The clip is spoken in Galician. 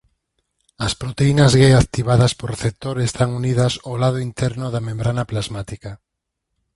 As proteínas G activadas por receptor están unidas ao lado interno da membrana plasmática.